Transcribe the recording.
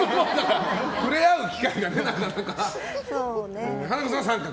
触れ合う機会がないというか。